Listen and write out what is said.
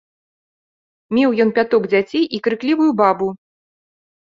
Меў ён пяток дзяцей і крыклівую бабу.